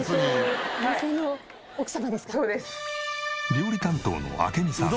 料理担当の明美さん。